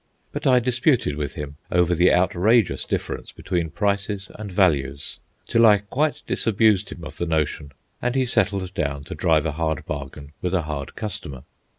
But I disputed with him over the outrageous difference between prices and values, till I quite disabused him of the notion, and he settled down to drive a hard bargain with a hard customer.